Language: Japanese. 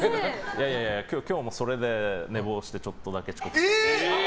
いやいや、今日もそれで寝坊してちょっとだけ遅刻しました。